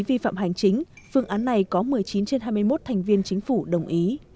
vi phạm hành chính phương án này có một mươi chín trên hai mươi một thành viên chính phủ đồng ý